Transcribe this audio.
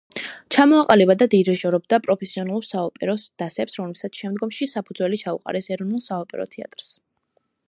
ჩამოაყალიბა და დირიჟორობდა პროფესიონალურ საოპერო დასებს, რომლებმაც შემდგომში საფუძველი ჩაუყარეს ეროვნულ საოპერო თეატრს.